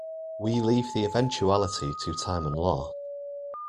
We leave the eventuality to time and law.